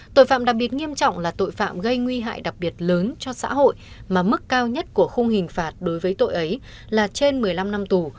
tội phạm đặc biệt nghiêm trọng là tội phạm gây nguy hại đặc biệt lớn cho xã hội mà mức cao nhất của khung hình phạt đối với tội ấy là trên một mươi năm năm tù